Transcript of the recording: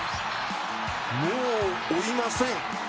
もう追いません。